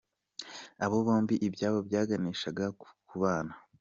Aba bombi ibyabo byaganishaga ku kubana.